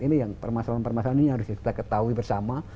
ini yang permasalahan permasalahan ini harus kita ketahui bersama